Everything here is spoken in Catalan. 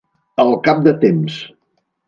Al cap de temps.